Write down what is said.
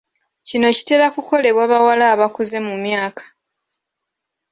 Kino kitera kukolebwa bawala abakuze mu myaka.